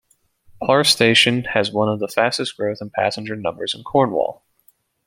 Par station has one of the fastest growth in passenger numbers in Cornwall.